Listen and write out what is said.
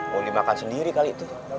mau dimakan sendiri kali itu